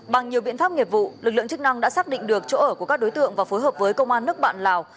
bằng nhiều biện pháp nghiệp vụ lực lượng chức năng đã xác định được chỗ ở của các đối tượng và phối hợp với công an nước bạn lào